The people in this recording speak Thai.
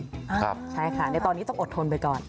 ใช่ค่ะในตอนนี้ต้องอดทนไปก่อน